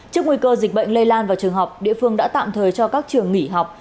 trước nguy cơ dịch bệnh lây lan vào trường học địa phương đã tạm thời cho các trường nghỉ học